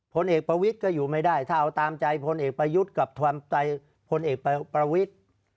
ผลเอกประวิทย์ก็อยู่ไม่ได้ถ้าเอาตามใจพลเอกประยุทธ์กับความใจพลเอกประวิทธิ์